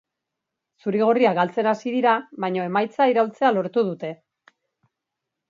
Zuri-gorriak galtzen hasi dira, baina emaitza iraultzea lortu dute.